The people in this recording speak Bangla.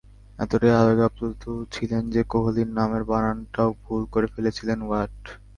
এতটাই আবেগাপ্লুত ছিলেন যে, কোহলির নামের বানানটাও ভুল করে ফেলেছিলেন ওয়াট।